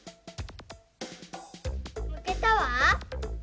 むけたわ。